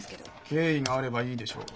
敬意があればいいでしょう。